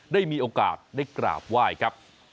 ได้มีโอกาสได้กราบไหว้ครับ